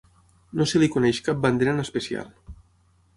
No se li coneix cap bandera en especial.